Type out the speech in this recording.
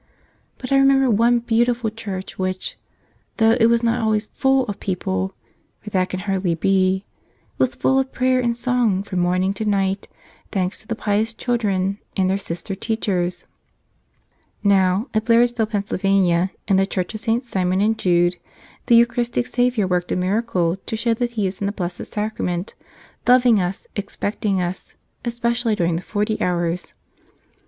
But I remember one beautiful church which, though it was not always full of people — for that can hardly be — was full of prayer and song from morning to night, thanks to the pious children and their Sister teachers. Now, at Blairsville, Pa., in the church of Sts. Simon and Jude, the Eucharistic Savior worked a miracle to show that He is in the Blessed Sacrament, loving us, expecting us, especially during the Forty Hours.